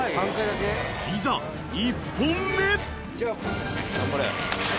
［いざ１本目］